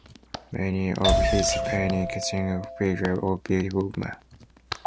Many of his paintings are single figures of beautiful women.